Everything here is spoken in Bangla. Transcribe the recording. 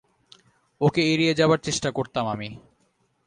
ওকে এড়িয়ে যাবার চেষ্টা করতাম আমি।